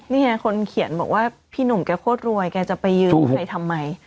นี่ไงคนเขียนบอกว่าพี่หนุ่มแกโคตรรวยแกจะไปยืนใครทำไม